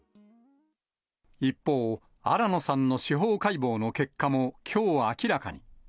一方、新野さんの司法解剖の結果も、きょう明らかに。